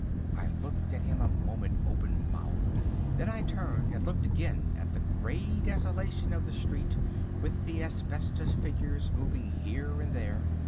I looked at him a moment open mouthed. Then I turned and looked again at the grey desolation of the street with the asbestos figures moving here and there.